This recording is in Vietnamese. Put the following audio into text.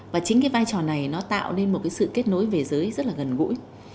và chính cái vai trò này nó tạo nên một cái sự kết nối về giới rất là gần gũi